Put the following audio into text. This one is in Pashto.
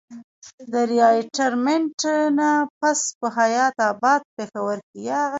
د ريټائرمنټ نه پس پۀ حيات اباد پېښور کښې